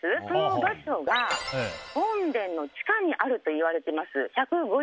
その場所が本殿の地下にあるといわれております。